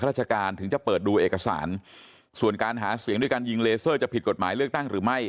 ราชการถึงจะเปิดดูเอกสารส่วนการหาเสียงด้วยการยิงเลเซอร์จะผิดกฎหมายเลือกตั้งหรือไม่